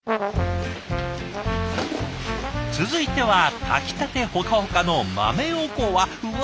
続いては炊きたてホカホカの豆おこわ。